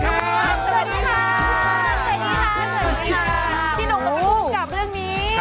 สวัสดีครับ